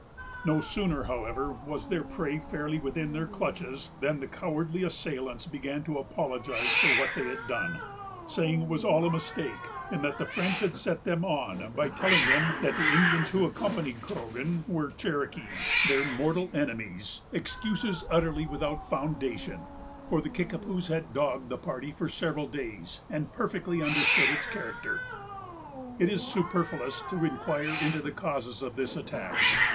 No sooner, however, was their prey fairly within their clutches, than the cowardly assailants began to apologize for what they had done, saying it was all a mistake, and that the French had set them on by telling them that the Indians who accompanied Croghan were Cherokees, their mortal enemies; excuses utterly without foundation, for the Kickapoos had dogged the party for several days, and perfectly understood its character. It is superfluous to inquire into the causes of this attack.